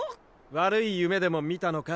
悪い夢でも見たのか？